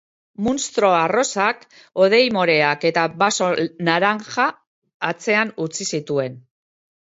Munstro arrosak hodei moreak eta baso naranja atzean utzi zituen.